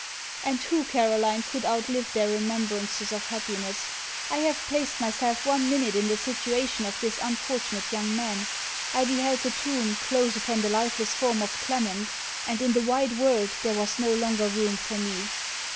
_ And who, Caroline, could outlive their remembrances of happiness? I have placed myself one minute in the situation of this unfortunate young man: I beheld the tomb close upon the lifeless form of Clement, and in the wide world there was no longer room for me.